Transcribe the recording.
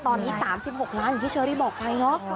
ตอนนี้๓๖ล้านอย่างที่เชอรี่บอกไปเนาะ